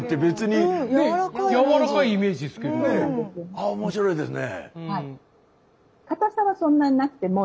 ああ面白いですね。